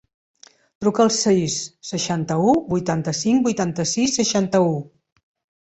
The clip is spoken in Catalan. Truca al sis, seixanta-u, vuitanta-cinc, vuitanta-sis, seixanta-u.